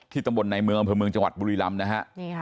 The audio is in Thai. ตำบลในเมืองอำเภอเมืองจังหวัดบุรีรำนะฮะ